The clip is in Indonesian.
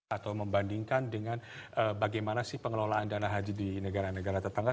atau membandingkan dengan bagaimana sih pengelolaan dana haji di negara negara tetangga